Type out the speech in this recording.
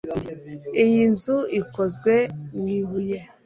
Iyi nzu ikozwe mu ibuye